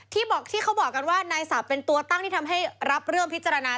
ที่เขาบอกกันว่านายสับเป็นตัวตั้งที่ทำให้รับเรื่องพิจารณา